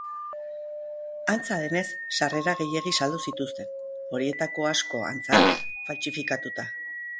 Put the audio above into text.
Antza denez, sarrera gehiegi saldu zituzten, horietako asko antza faltsifikatuta.